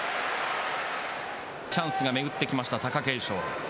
チャンスが巡ってきました貴景勝。